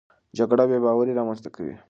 جګړه بېباوري رامنځته کوي.